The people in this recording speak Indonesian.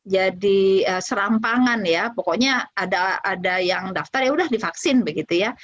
jadi serampangan ya pokoknya ada yang daftar ya sudah divaksin begitu ya